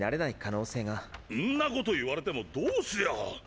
んなこと言われてもどうすりゃ！